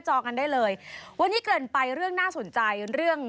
ชีวิตกระมวลวิสิทธิ์สุภาณีขวดชภัณฑ์